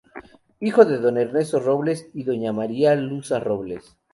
Hijo de don "Ernesto Robles" y doña "María Lusa Robles".